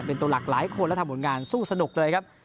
เป็นตัวหลักหลายคนและทำผลงานสู้สนุกเลยครับ